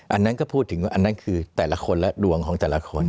อันนั้นก็พูดถึงว่าอันนั้นคือแต่ละคนและดวงของแต่ละคน